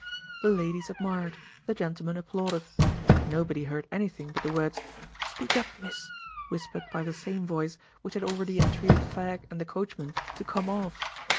The ladies admired, the gentlemen applauded. Nobody heard anything but the words "Speak up, miss," whispered by the same voice which had already entreated "Fag" and "the Coachman" to "come off."